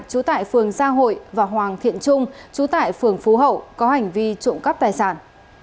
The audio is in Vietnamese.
trú tại phường gia hội và hoàng thiện trung chú tại phường phú hậu có hành vi trộm cắp tài sản